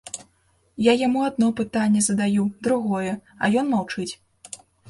Я яму адно пытанне задаю, другое, а ён маўчыць.